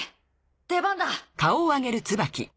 出番だ。